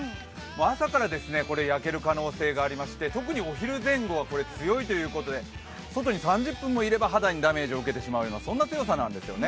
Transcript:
朝から焼ける可能性がありまして、特にお昼前後、強いということで外に３０分もいれば肌にダメージを受けてしまうような感じです。